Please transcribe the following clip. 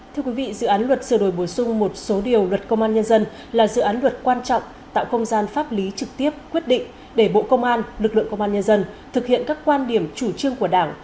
thưa quý vị dự án luật sửa đổi bổ sung một số điều luật công an nhân dân là dự án luật quan trọng tạo không gian pháp lý trực tiếp quyết định để bộ công an lực lượng công an nhân dân thực hiện các quan điểm chủ trương của đảng